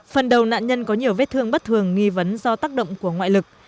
phần đầu nạn nhân có nhiều vết thương bất thường nghi vấn do tác động của ngoại lực